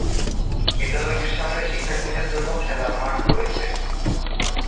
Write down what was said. বিদ্যালয়টির সামনে শিক্ষার্থীদের জন্য খেলার মাঠ রয়েছে।